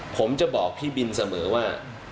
ผมจะบอกพี่บินเสมอว่า